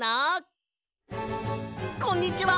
こんにちは！